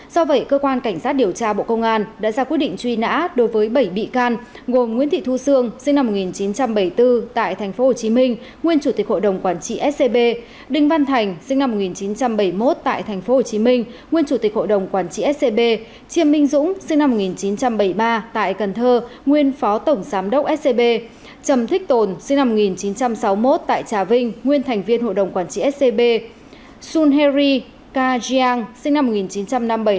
do vậy cơ quan cảnh sát điều tra bộ công an đã ra quyết định truy nã đối với bảy bị can gồm nguyễn thị thu sương sinh năm một nghìn chín trăm bảy mươi bốn tại tp hcm nguyên chủ tịch hội đồng quản trị scb đình văn thành sinh năm một nghìn chín trăm bảy mươi một tại tp hcm nguyên chủ tịch hội đồng quản trị scb chiêm minh dũng sinh năm một nghìn chín trăm bảy mươi ba tại cần thơ nguyên phó tổng giám đốc scb trầm thích tồn sinh năm một nghìn chín trăm sáu mươi một tại trà vinh nguyên thành viên hội đồng quản trị scb sunheri kajang sinh năm một nghìn chín trăm năm mươi tại tp hcm nguyên chủ tịch hội đồng quản tr